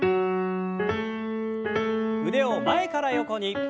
腕を前から横に。